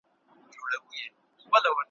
بې نوره ورځي بې شمعي شپې دي `